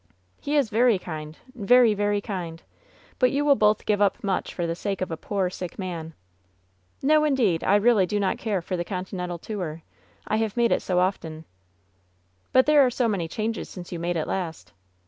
'' "He is very kind ; very, very kind. But you will both give up much for the sake of a poor, sick man." "No, indeed. I really do not care for the continental tour, I have made it so often." "But there are so many changes since you made it last."